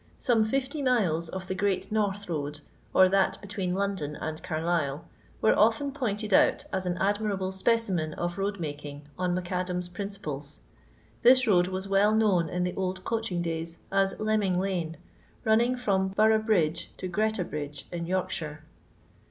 Some 50 miles on the Gceat North Road, or that between London and Carlisle, were often pointed out as an adminble specimen of road making on Mac Adam's principles.. This road .was well known in the old coaehing days as Leming lane, running from Boroughbridge to Qreta Bridge, in Yorkshire.